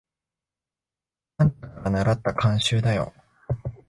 あんたからならった慣習だよ。